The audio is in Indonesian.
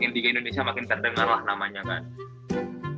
liga indonesia makin terdengarlah namanya kan